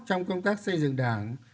trong công tác xây dựng đảng